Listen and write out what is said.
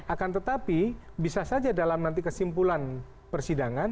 akan tetapi bisa saja dalam nanti kesimpulan persidangan